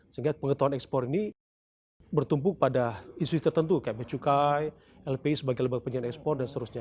sehingga pengetahuan ekspor ini bertumpu pada institusi tertentu kayak bcukai lpi sebagai lembaga penjaga ekspor dan seterusnya